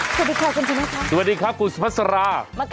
ก่อนร้องไปคายลิ้นออกก่อนได้ไหม